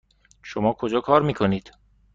شما کجا کار میکنید؟